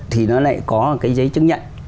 thì nó lại có cái giấy chứng nhận